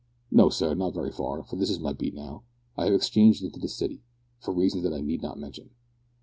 "No, sir, not very far, for this is my beat, now. I have exchanged into the city, for reasons that I need not mention."